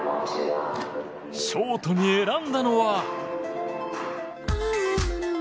ショートに選んだのは。